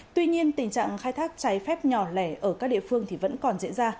tuy nhiên tình trạng khai thác trái phép nhỏ lẻ ở các địa phương thì vẫn còn diễn ra